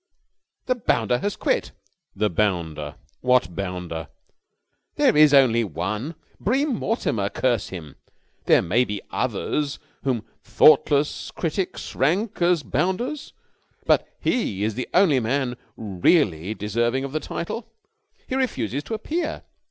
"The bounder has quit!" "The bounder? What bounder?" "There is only one! Bream Mortimer, curse him! There may be others whom thoughtless critics rank as bounders, but he is the only man really deserving of the title. He refuses to appear!